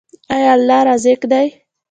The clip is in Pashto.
آیا الله رزاق دی؟